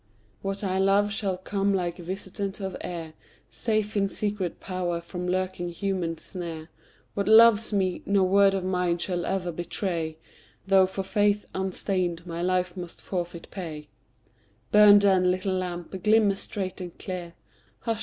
What I love shall come like visitant of air, Safe in secret power from lurking human snare; What loves me, no word of mine shall e'er betray, Though for faith unstained my life must forfeit pay Burn, then, little lamp; glimmer straight and clear Hush!